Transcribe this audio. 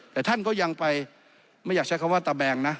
แต่ท่านก็ยังไปไม่อยากใช้คำว่าตะแบงนะ